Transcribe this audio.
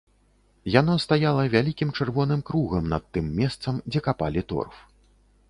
Яно стаяла вялікім чырвоным кругам над тым месцам, дзе капалі торф.